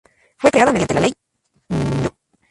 Fue creada mediante la Ley No.